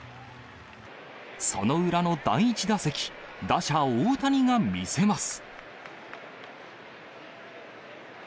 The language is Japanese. その裏の第１打席、打者、大谷が見せます。